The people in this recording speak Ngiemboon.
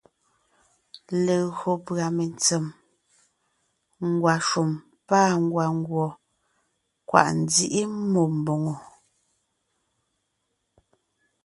Legÿo pʉ́a mentsèm, ngwàshùm pâ ngwàngùɔ, kwàʼ nzíʼi mmó mbòŋo.